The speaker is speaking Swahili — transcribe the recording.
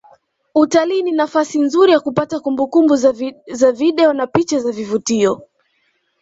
Utalii ni nafasi nzuri ya kupata kumbukumbu za video na picha za vivutio